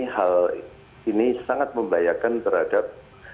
hal ini sangat membahayakan terhadap